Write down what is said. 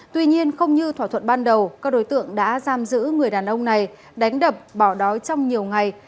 tuy nhiên không như thỏa thuận ban đầu các đối tượng đã giam giữ người đàn ông này đánh đập bỏ đói trong nhiều ngày